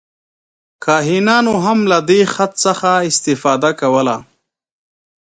کاهنانو هم له دې خط څخه استفاده کوله.